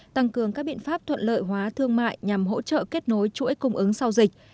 tăng cường các biện pháp thuận lợi hóa thương mại nhằm hỗ trợ kết nối chuỗi cung ứng sau dịch